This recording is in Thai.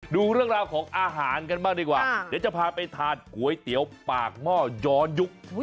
ดูเรื่องราวของอาหารกันบ้างดีกว่าเดี๋ยวจะพาไปทานก๋วยเตี๋ยวปากหม้อย้อนยุค